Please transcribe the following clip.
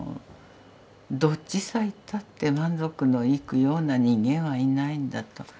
どっちさ行ったって満足のいくような人間はいないんだと。